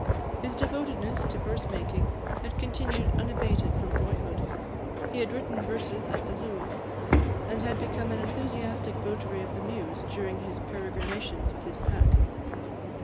His devotedness to verse making had continued unabated from boyhood; he had written verses at the loom, and had become an enthusiastic votary of the muse during his peregrinations with his pack.